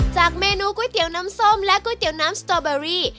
เมนูก๋วยเตี๋ยวน้ำส้มและก๋วยเตี๋ยวน้ำสตอเบอรี่